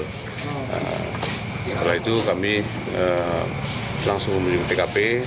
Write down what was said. setelah itu kami langsung menuju tkp